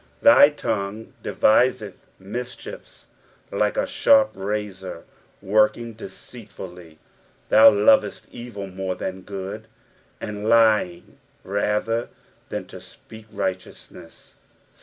2 Thy tongue deviseth mischiefs ; like a sharp razor, working deceitfully. 3 Thou lovest evil more than good ; and lying rather than to speak righteousness.